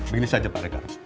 begini saja pak rekar